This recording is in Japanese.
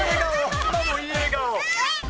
今もいい笑顔。